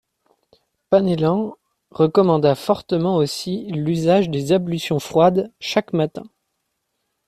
Penellan recommanda fortement aussi l’usage des ablutions froides, chaque matin.